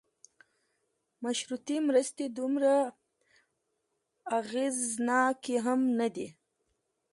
مشروطې مرستې دومره اغېزناکې هم نه دي.